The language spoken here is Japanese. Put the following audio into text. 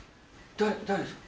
誰ですか？